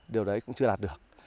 điều đấy cũng chưa đạt được